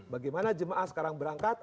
bagaimana jemaah sekarang berangkat